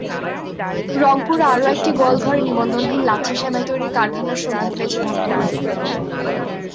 রংপুরে আরও একটি গোয়ালঘরে নিবন্ধনহীন লাচ্ছা সেমাই তৈরির কারখানার সন্ধান পেয়েছেন ভ্রাম্যমাণ আদালত।